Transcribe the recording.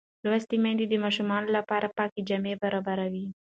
لوستې میندې د ماشوم لپاره پاکې جامې برابروي.